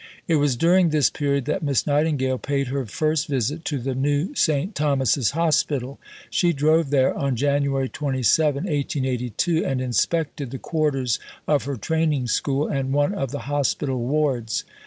It was during this period that Miss Nightingale paid her first visit to the new St. Thomas's Hospital. She drove there on January 27, 1882, and inspected the quarters of her Training School and one of the Hospital wards.